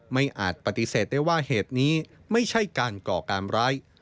อาจปฏิเสธได้ว่าเหตุนี้ไม่ใช่การก่อการร้าย